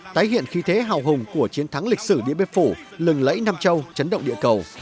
tái hiện khí thế hào hùng của chiến thắng lịch sử điện biên phủ lừng lẫy nam châu chấn động địa cầu